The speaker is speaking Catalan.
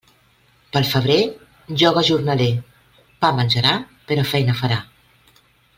Pel febrer, lloga jornaler; pa menjarà, però feina farà.